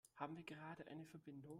Haben wir gerade eine Verbindung?